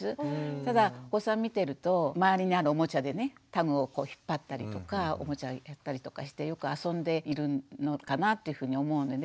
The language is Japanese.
ただお子さん見てると周りにあるおもちゃでねタグを引っ張ったりとかおもちゃやったりとかしてよく遊んでいるのかなっていうふうに思うんでね。